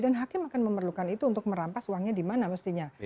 dan hakim akan memerlukan itu untuk merampas uangnya dimana mestinya